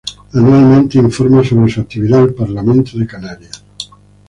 Anualmente, informa sobre su actividad al Parlamento de Canarias.